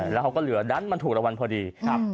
เราก็เหลือด้านมันถูกระวันพอดี